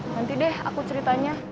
nanti deh aku ceritanya